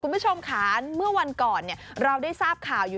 คุณผู้ชมค่ะเมื่อวันก่อนเราได้ทราบข่าวอยู่